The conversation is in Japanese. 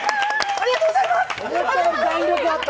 ありがとうございます！